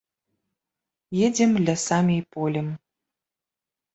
Едзем лясамі і полем.